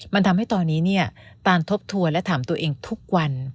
มันทำให้ตอนนี้เนี่ยตานทบทวนและถามตัวเองทุกวัน